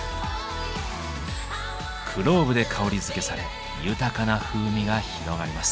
クローブで香りづけされ豊かな風味が広がります。